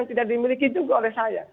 tidak dimiliki juga oleh saya